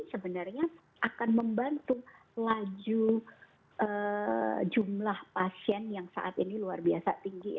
sebenarnya akan membantu laju jumlah pasien yang saat ini luar biasa tinggi